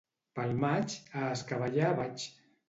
Pel maig, a escabellar vaig.